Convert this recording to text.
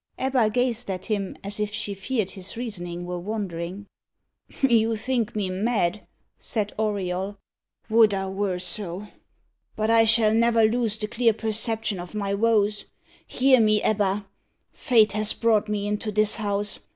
Ebba gazed at him as if she feared his reasoning were wandering. "You think me mad," said Auriol; "would I were so! But I shall never lose the clear perception of my woes. Hear me, Ebba! Fate has brought me into this house.